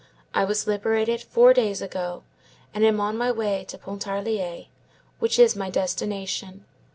I was liberated four days ago, and am on my way to Pontarlier, which is my destination.